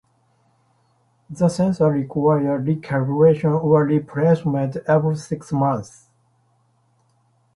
The sensors require recalibration or replacement every six months.